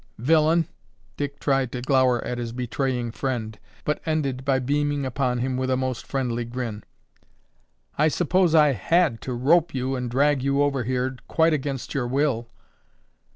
"Villain!" Dick tried to glower at his betraying friend, but ended by beaming upon him with a most friendly grin. "I suppose I had to rope you and drag you over here quite against your will."